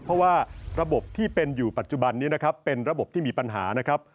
เพราะว่าระบบที่เป็นอยู่ปัจจุบันนี้นะครับเป็นระบบที่มีปัญหานะครับ